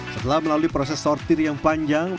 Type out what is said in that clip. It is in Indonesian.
setelah melalui proses sortir yang panjang